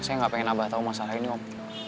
saya gak pengen abah tahu masalah ini om